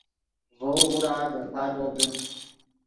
ڤؤ غورا دے پادو دے